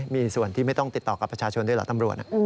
มีส่วนที่ไม่ต้องติดต่อกับประชาชนด้วยเหรอตำรวจ